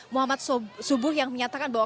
muhammad subuh yang menyatakan bahwa